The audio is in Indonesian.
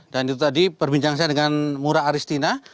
dan itu tadi perbincang saya dengan mura aristina